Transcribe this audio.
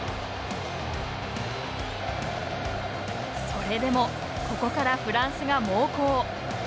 それでもここからフランスが猛攻。